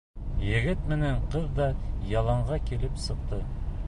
Егет менән ҡыҙ ҙа яланға килеп сыҡты.